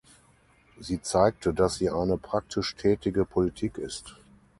Sie zeigte, dass sie eine praktisch tätige Politik ist.